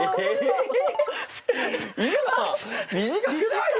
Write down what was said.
今短くない？